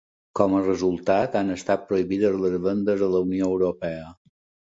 Com a resultat, han estat prohibides les vendes a la Unió Europea.